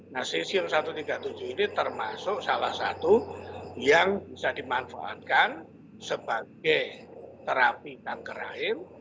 nah cesium satu ratus tiga puluh tujuh ini termasuk salah satu yang bisa dimanfaatkan sebagai terapi kanker rahim